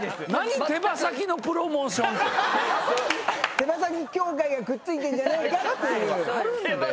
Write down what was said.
手羽先協会がくっついてんじゃないかっていう。